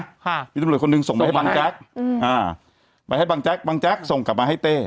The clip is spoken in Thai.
ค่ะมีตำรวจคนหนึ่งส่งไปให้บังแจ๊กอืมอ่าไปให้บังแจ๊กบางแจ๊กส่งกลับมาให้เต้